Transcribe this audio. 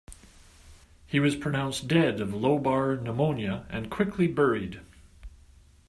He was pronounced dead of lobar pneumonia and quickly buried.